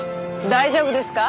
大丈夫ですか？